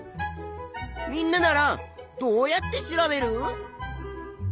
みんなならどうやって調べる？